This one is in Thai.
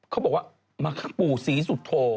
เขาบอกว่ามาคือปู่ศรีสุโธ